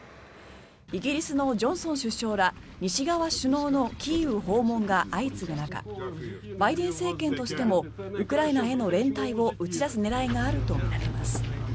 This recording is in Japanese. イギリスのジョンソン首相ら西側首脳のキーウ訪問が相次ぐ中バイデン政権としてもウクライナへの連帯を打ち出す狙いがあるとみられます。